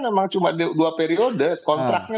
memang cuma dua periode kontraknya